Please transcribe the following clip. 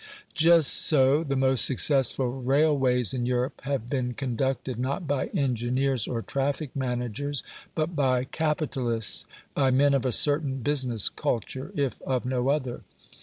Just so the most successful railways in Europe have been conducted not by engineers or traffic managers but by capitalists; by men of a certain business culture, if of no other.